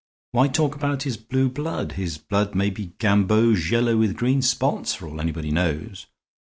Why talk about his blue blood? His blood may be gamboge yellow with green spots, for all anybody knows.